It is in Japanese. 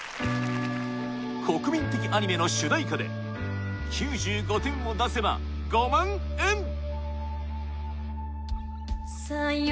国民的アニメの主題歌で９５点を出せば５万円！いいよ！